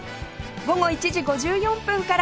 午後１時５４分から